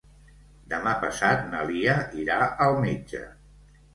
Demà passat na Lia irà al metge.